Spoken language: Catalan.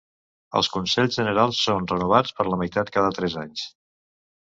Els consells generals són renovats per la meitat cada tres anys.